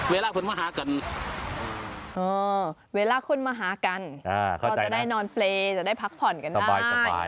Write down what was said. เวลาคุณมาหากันเขาจะได้นอนเปลยจะได้พักผ่อนกันได้